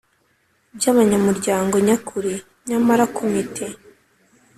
By abanyamuryango nyakuri nyamara komite